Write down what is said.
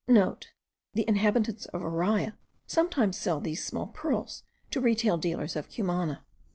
(* The inhabitants of Araya sometimes sell these small pearls to the retail dealers of Cumana.